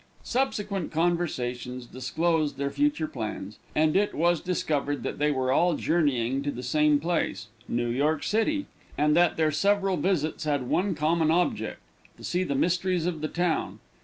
Subsequent conversations disclosed their future plans, and it was discovered that they were all journeying to the same place, New York city; and that their several visits had one common object, to see the mysteries of the town.